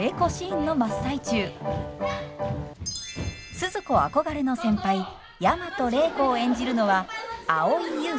スズ子憧れの先輩大和礼子を演じるのは蒼井優さん。